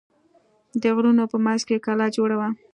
د غرونو په منځ کې کلا جوړه وه.